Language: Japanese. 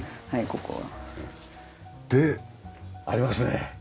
はいここは。でありますね。